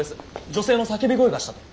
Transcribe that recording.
女性の叫び声がしたと。